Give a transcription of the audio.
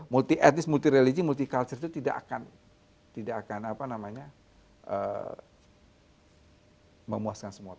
multi etnis multi religi multi culture itu tidak akan memuaskan semua